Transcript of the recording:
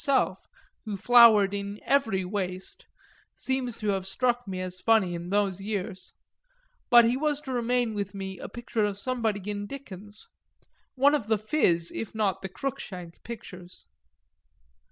himself, who flowered in every waste, seems to have struck me as funny in those years; but he was to remain with me a picture of somebody in Dickens, one of the Phiz if not the Cruikshank pictures.